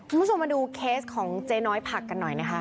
คุณผู้ชมมาดูเคสของเจ๊น้อยผักกันหน่อยนะคะ